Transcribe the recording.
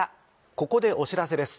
ここでお知らせです。